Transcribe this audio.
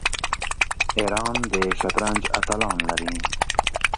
ایران د شطرنج اتلان لري.